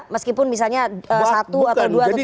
meskipun misalnya satu atau dua atau tiga